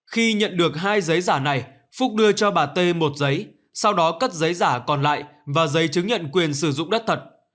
khi nhận được hai giấy giả này phúc đưa cho bà t một giấy sau đó cắt giấy giả còn lại và giấy chứng nhận quyền sử dụng đất thật